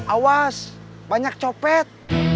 awas banyak copet